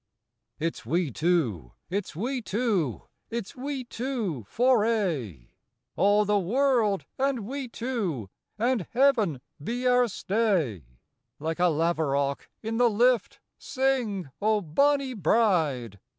TT'S we two, it's we two, it's we two for aye, All the world and we two, and Heaven be our stay. Like a laverock in the lift, sing, O bonny bride